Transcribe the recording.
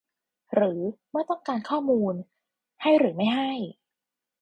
หรือ เมื่อต้องการข้อมูล ให้หรือไม่ให้